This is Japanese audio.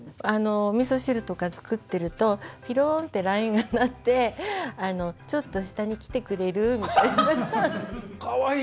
おみそ汁とか作ってるとピローンってＬＩＮＥが鳴って「ちょっと下に来てくれる？」みたいな。かわいい。